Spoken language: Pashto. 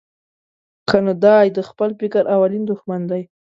کنه دای د خپل فکر اولین دوښمن دی.